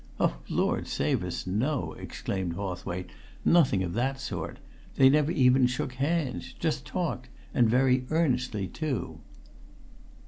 "Oh, Lord save us, no!" exclaimed Hawthwaite. "Nothing of that sort! They never even shook hands. Just talked and very earnestly too."